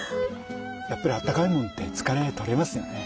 やっぱりあったかいものって疲れとれますよね。